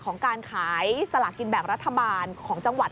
ของการขายสลากินแบ่งรัฐบาลของจังหวัด